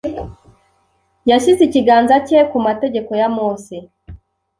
Yashyize ikiganza cye ku mategeko ya Mose